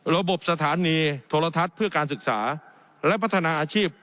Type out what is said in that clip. ระบบสถานีโทรทัศน์เพื่อการศึกษาและพัฒนาอาชีพ